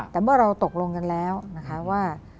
แต่เมื่อเราตกลงกันแล้วนะคะว่า